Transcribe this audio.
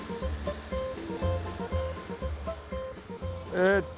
えっと